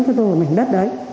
tôi có một mảnh đất đấy